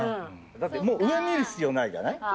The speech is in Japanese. だって、上見る必要がないじゃない。